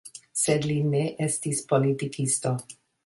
Sed li ne estis politikisto.